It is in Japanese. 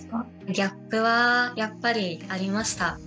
ギャップはやっぱりありました。